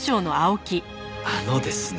あのですね